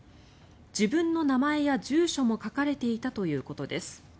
自分の名前や住所も書かれていたということです。